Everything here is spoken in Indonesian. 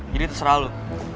jadi terserah lo